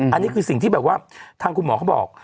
อันนี้คือสิ่งที่แบบว่าทางคุณหมอเขาบอก